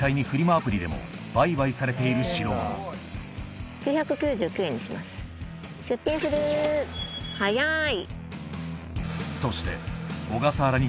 アプリでも売買されている代物出品する早い。